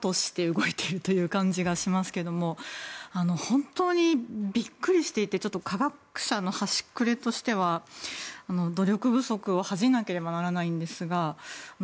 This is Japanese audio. これが帰化として動いているという感じがしますけど本当にビックリしていてちょっと科学者の端くれとしては努力不足を恥じなければならないんですが。